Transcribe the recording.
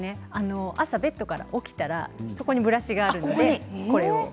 朝、起きたらそこにブラシがあるので。